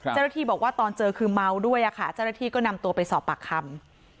เจ้าหน้าที่บอกว่าตอนเจอคือเมาด้วยค่ะเจ้าหน้าที่ก็นำตัวไปสอบปากคำ